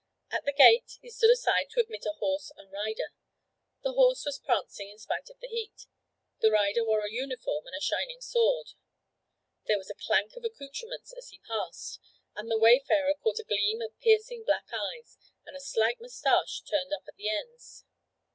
At the gate he stood aside to admit a horse and rider. The horse was prancing in spite of the heat; the rider wore a uniform and a shining sword. There was a clank of accoutrements as he passed, and the wayfarer caught a gleam of piercing black eyes and a slight black moustache turned up at the ends.